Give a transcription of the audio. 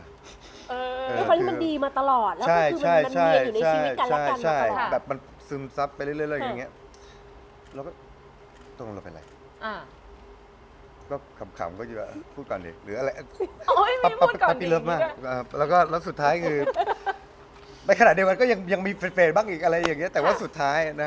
มันดีมาตลอดใช่ซึมซับไปเรื่องเราก็สุดท้ายก็ยังมีเฟย์ดบักอีกอะไรอีกอีกแต่สุดท้าย